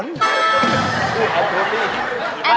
ชื่อแอนโทนีย์